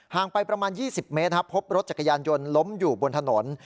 ห่างไปประมาณยี่สิบเมตรครับพบรถจักรยานยนต์ล้มอยู่บนถนน